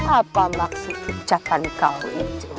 apa maksud kejatan kau itu